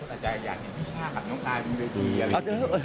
ก็จะอยากเห็นพี่ช่างกับน้องไทยพรุ่งด้วยที